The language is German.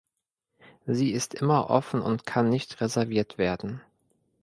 Sie ist immer offen und kann nicht reserviert werden.